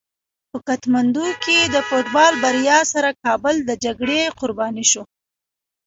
په کتمندو کې د فوټبال بریا سره کابل د جګړې قرباني شو.